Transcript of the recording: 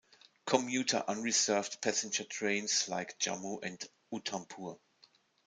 Commuter unreserved passenger trains link Jammu and Udhampur.